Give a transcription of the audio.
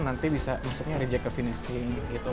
nanti bisa masuknya rejek ke finishing gitu